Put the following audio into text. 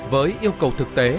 với yêu cầu thực tế